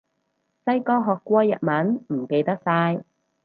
細個學過日文，唔記得晒